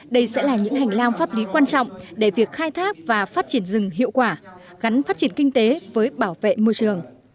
đây sẽ là những hành lang pháp lý quan trọng để việc khai thác và phát triển rừng hiệu quả gắn phát triển kinh tế với bảo vệ môi trường